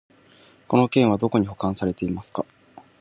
この件はどこに保管されてますか？